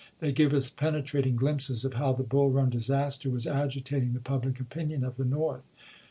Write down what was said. They give us penetrating glimpses of how the Bull Run disaster was agitating the public opin ion of the North.